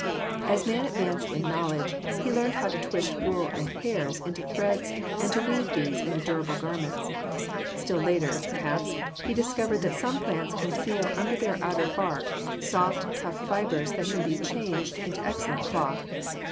As man advanced in knowledge, he learned how to twist wool and hairs into threads and to weave these into durable garments. Still later, perhaps, he discovered that some plants conceal under their outer bark soft, tough fibers that can be changed into excellent cloth.